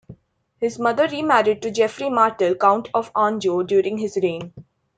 His mother remarried to Geoffrey Martel, Count of Anjou, during his reign.